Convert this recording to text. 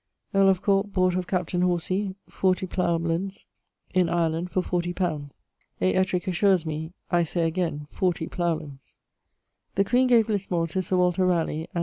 Earl of Corke bought of captaine Horsey _fourtie plough__lands_ in Ireland for fourtie pounds. (A. Ettrick assures me, 'I say againe fourtie ploughlands.') The queen gave Lismore to Sir Walter Raleigh, and